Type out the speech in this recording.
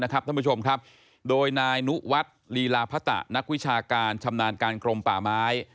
ท่านผู้ชมครับโดยนายนุวัฒน์ลีลาพะตะนักวิชาการชำนาญการกรมป่าไม้